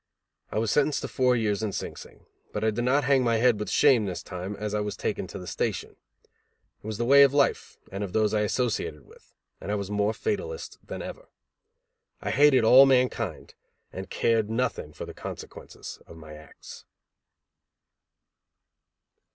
I was sentenced to four years in Sing Sing, but I did not hang my head with shame, this time, as I was taken to the station. It was the way of life and of those I associated with, and I was more a fatalist than ever. I hated all mankind and cared nothing for the consequences of my acts.